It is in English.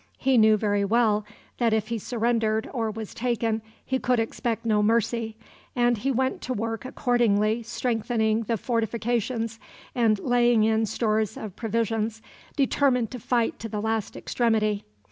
He knew very well that if he surrendered or was taken he could expect no mercy, and he went to work accordingly strengthening the fortifications, and laying in stores of provisions, determined to fight to the last extremity.